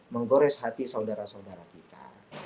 menggores hati saudara saudara kita